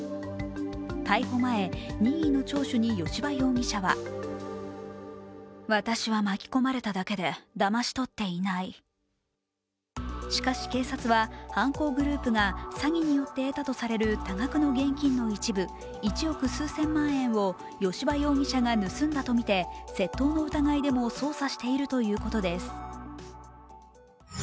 逮捕前、任意の聴取に吉羽容疑者はしかし警察は犯行グループが詐欺によって得たとされる多額の現金の一部、１億数千万円を吉羽容疑者が盗んだとみて窃盗の疑いでも捜査しているということです。